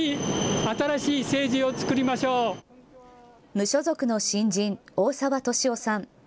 無所属の新人、大沢敏雄さん。